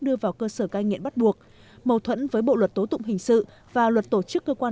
đưa vào cơ sở cai nghiện bắt buộc mâu thuẫn với bộ luật tố tụng hình sự và luật tổ chức cơ quan